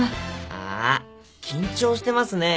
あ緊張してますね。